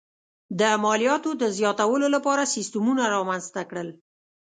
د مالیاتو د زیاتولو لپاره سیستمونه رامنځته کړل.